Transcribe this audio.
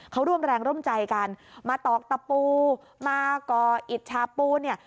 เขาร่วมแรงร่วมใจกันมาตอกตะปูมาก่ออิจฉาปูเนี่ย